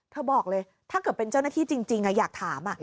บอกเลยถ้าเกิดเป็นเจ้าหน้าที่จริงอยากถาม